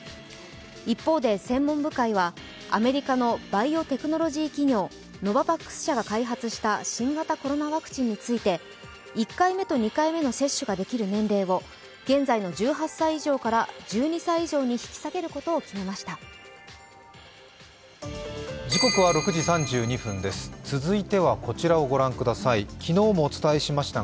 一方で専門部会はアメリカのバイオテクノロジー企業、ノババックス社が開発した新型コロナワクチンについて１回目と２回目の接種ができる年齢を現在の１８歳以上から１２歳以上に引き下げることを決めました。